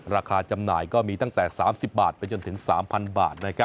จำหน่ายก็มีตั้งแต่๓๐บาทไปจนถึง๓๐๐บาท